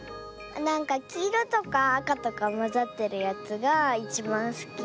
なんかきいろとかあかとかまざってるやつがいちばんすき。